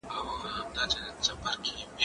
زه کولای سم سبزیجات وچوم،